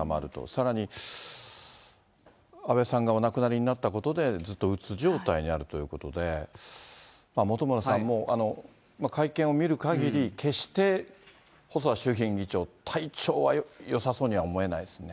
さらに安倍さんがお亡くなりになったことでずっとうつ状態にあるということで、本村さん、もう、会見を見るかぎり、決して細田衆院議長、体調はよさそうには思えないですね。